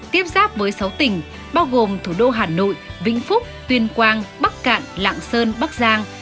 tiếp giáp với sáu tỉnh bao gồm thủ đô hà nội vĩnh phúc tuyên quang bắc cạn lạng sơn bắc giang